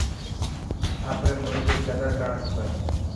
آپري ملڪ ري قدر ڪرڻ کپي.